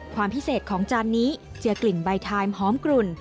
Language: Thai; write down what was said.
ความพิเศษของจานนี้จะกลิ่นใบทายหอมกลุ่น